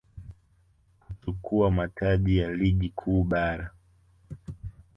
kuchukua mataji ya Ligi Kuu Bara